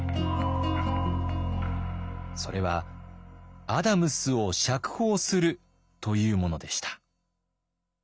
それはアダムスを釈放するというものでした。